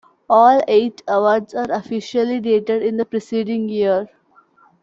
All eight awards are officially dated in the preceding year.